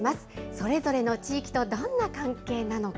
それぞれの地域とどんな関係なのか。